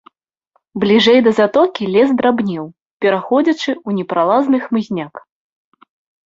Бліжэй да затокі лес драбнеў, пераходзячы ў непралазны хмызняк.